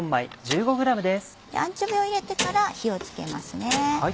アンチョビーを入れてから火を付けますね。